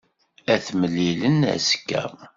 Ad t-mlilen azekka.